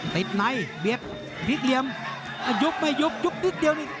ติดในเบียบพลิกเหลี่ยมยุบไม่ยุบยุบนิดเดียวนี่